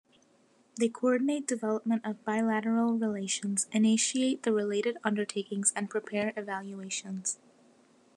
They coordinate development of bilateral relations, initiate the related undertakings and prepare evaluations.